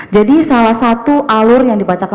jadi salah satu alur yang dibacakan